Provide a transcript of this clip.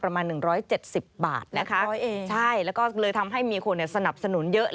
ประมาณ๑๗๐บาทนะคะใช่แล้วก็เลยทำให้มีคนสนับสนุนเยอะ